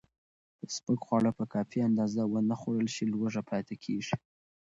که سپک خواړه په کافي اندازه ونه خورل شي، لوږه پاتې کېږي.